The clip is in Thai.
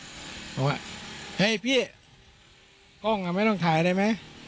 ผมว่าเฮ้ยพี่กล้องอะไม่ต้องถ่ายอะไรไหม